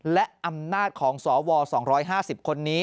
และอำนาจของสว๒๕๐คนนี้